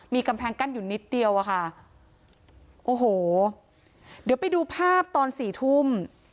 มีกำแพงกั้นอยู่นิดเดียวอะค่ะโอ้โหเดี๋ยวไปดูภาพตอนสี่ทุ่ม